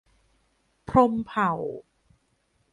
พรหมเผ่า